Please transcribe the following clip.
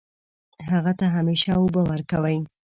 هغه ته همیشه اوبه ورکوئ